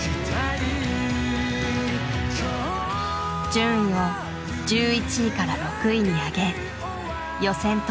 順位を１１位から６位に上げ予選突破を果たした。